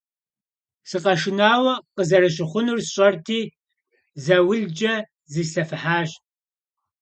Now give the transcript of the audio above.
Сыкъэшынауэ къызэрыщыхъунур сщӀэрти, заулкӀэ зислъэфыхьащ.